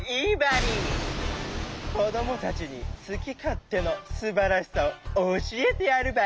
こどもたちにすきかってのすばらしさをおしえてやるバリ。